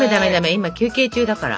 今休憩中だから。